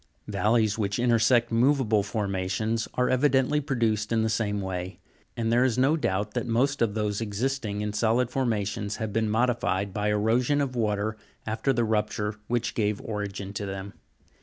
Valleys which intersect moveable formations are evidently produced in the same way; and there is no doubt that most of those existing in solid forma tions, have been modified by erosion of water after the rupture which gave origin to them.